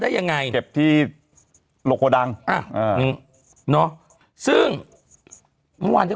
ไปชนิดละนะ